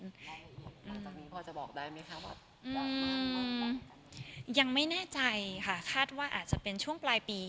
หลังจากนี้พอจะบอกได้ไหมคะว่ายังไม่แน่ใจค่ะคาดว่าอาจจะเป็นช่วงปลายปี